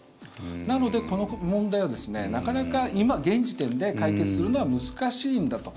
なので、この問題をなかなか今現時点で解決するのは難しいんだと。